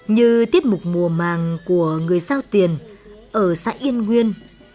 như tiết mục mùa màng của người giao tiền ở xã yên nguyên